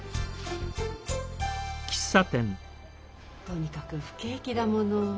とにかく不景気だもの。